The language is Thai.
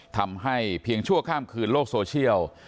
ทำให้เพียงชั่วข้ามคืนโลกโซเชียล